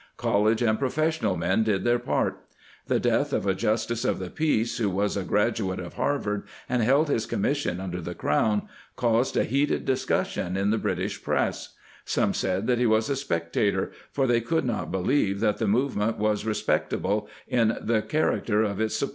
College and professional men did their pan. The death of a justice of the peace, who was a graduate of Harvard and held his commission under the Crown, caused a heated discussion in the British press ; some said that he was a spectator, for they could not believe that the movement was respect able in the character of its supporters.